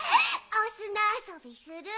おすなあそびする！